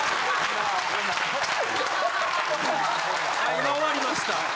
今終わりました。